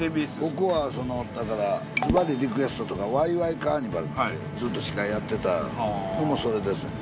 ここはそのだから「ズバリリクエスト」とか「ＷＡＩＷＡＩカーニバル」ってずっと司会やってたのもそれですねん。